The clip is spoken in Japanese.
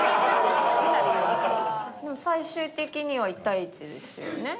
最終的には１対１ですよね？